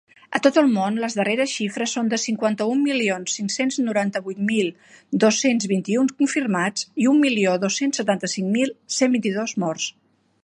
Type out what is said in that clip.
A tot el món, les darreres xifres són de cinquanta-un milions cinc-cents noranta-vuit mil dos-cents vint-i-un confirmats i un milió dos-cents setanta-cinc mil cent vint-i-dos morts.